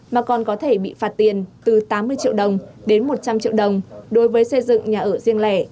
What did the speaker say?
mà còn có thể bị phạt tiền từ tám mươi triệu đồng đến một trăm linh triệu đồng đối với xây dựng nhà ở riêng lẻ